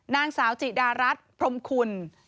นางสาวจิดารัฐพรมคุณ